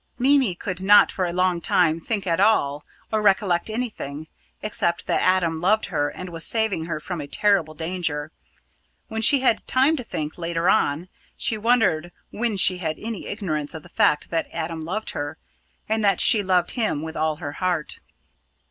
Mimi could not for a long time think at all, or recollect anything, except that Adam loved her and was saving her from a terrible danger. When she had time to think, later on, she wondered when she had any ignorance of the fact that Adam loved her, and that she loved him with all her heart.